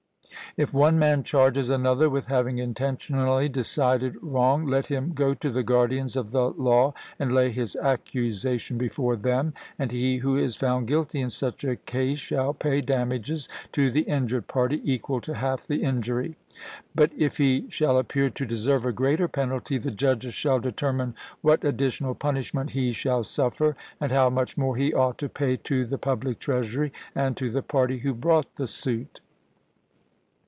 If one man charges another with having intentionally decided wrong, let him go to the guardians of the law and lay his accusation before them, and he who is found guilty in such a case shall pay damages to the injured party equal to half the injury; but if he shall appear to deserve a greater penalty, the judges shall determine what additional punishment he shall suffer, and how much more he ought to pay to the public treasury, and to the party who brought the suit.